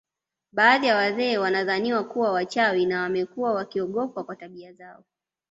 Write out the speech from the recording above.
Baadhi ya wazee wanadhaniwa kuwa wachawi na wamekuwa wakiogopwa kwa tabia zao